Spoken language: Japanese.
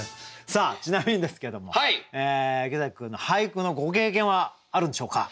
ちなみにですけれども池崎君俳句のご経験はあるんでしょうか？